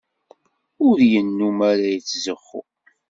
Ur yennumm ara yettzuxxu.